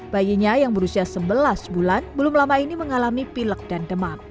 bayinya yang berusia sebelas bulan belum lama ini mengalami pilek dan demam